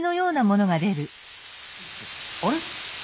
あれ？